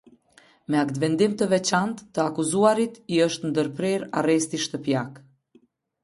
Me aktvendim të veçantë, të akuzuarit i është ndërprerë arresti shtëpiak.